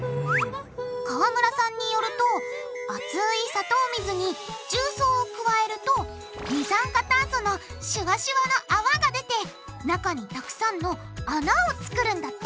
川村さんによると熱い砂糖水に重曹を加えると二酸化炭素のシュワシュワのあわが出て中にたくさんの穴を作るんだって！